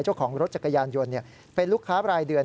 เจ้าของรถจักรยานยนต์เป็นลูกค้ารายเดือน